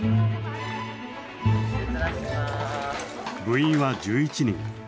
部員は１１人。